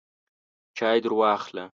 چای درواخله !